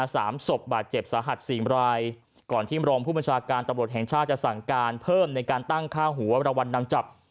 สามศพบาดเจ็บสาหัสสี่รายก่อนที่รองผู้บัญชาการตำรวจแห่งชาติจะสั่งการเพิ่มในการตั้งค่าหัวรางวัลนำจับ